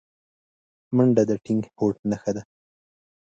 منډه د ټینګ هوډ نښه ده